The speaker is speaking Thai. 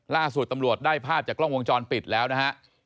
ล่าสุดตำรวจได้ภาพจากกล้องวงจรปิดแล้วนะฮะ